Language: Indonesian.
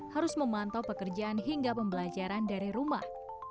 harus memantau pekerjaan hingga pembelajaran dari rumah